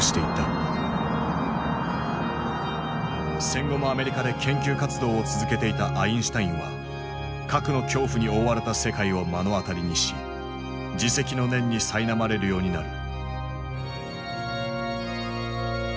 戦後もアメリカで研究活動を続けていたアインシュタインは核の恐怖に覆われた世界を目の当たりにし自責の念にさいなまれるようになる。